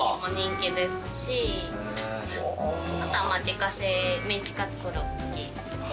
あとは自家製メンチカツコロッケ。